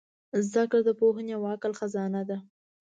زدهکړه د پوهې او عقل خزانه ده.